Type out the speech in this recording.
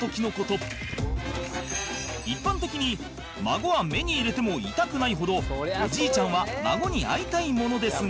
一般的に孫は目に入れても痛くないほどおじいちゃんは孫に会いたいものですが